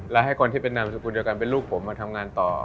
และให้คนที่เป็นนามสกุลเดียวกันเป็นลูกผมมาทำงานต่อ